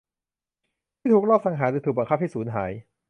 ที่ถูกลอบสังหารหรือถูกบังคับให้สูญหาย